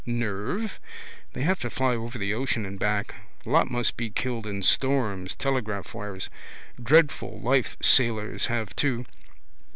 Nerve they have to fly over the ocean and back. Lots must be killed in storms, telegraph wires. Dreadful life sailors have too.